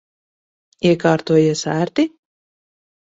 Iekārtojies ērti?